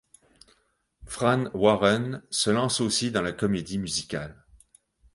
Fran Warren se lance aussi dans la comédie musicale.